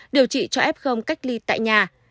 điều trị cho f cách ly tại nhà